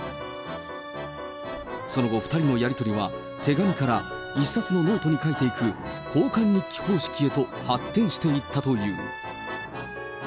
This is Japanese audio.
その後、２人のやり取りは、手紙から一冊のノートに書いていく交換日記方式へと発展していったという。